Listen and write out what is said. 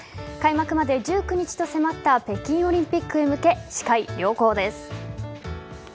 開幕まで１９日と迫った北京オリンピックへ向け視界良好です。